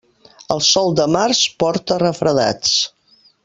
El sol de març porta refredats.